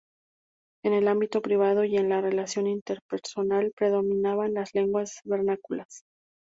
En el ámbito privado y en la relación interpersonal predominaban las lenguas vernáculas.